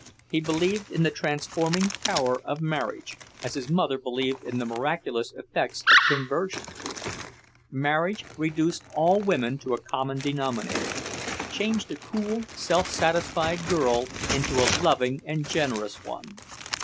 He believed in the transforming power of marriage, as his mother believed in the miraculous effects of conversion. Marriage reduced all women to a common denominator; changed a cool, self satisfied girl into a loving and generous one.